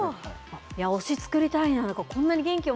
推し作りたいな。